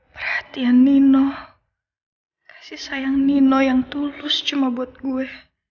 perhatian nino kasih sayang nino yang tulus cuma buat gue